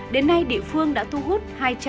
đến nay địa phương đã thu hút hai trăm bảy mươi chín